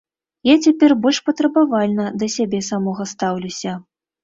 Я цяпер больш патрабавальна да сябе самога стаўлюся.